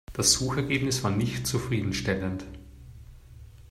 Das Suchergebnis war nicht zufriedenstellend.